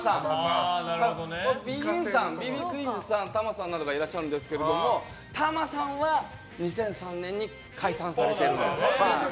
Ｂ．Ｂ．クィーンズさんたまさんなどがいらっしゃるんですけどたまさんは２００３年に解散されているんです。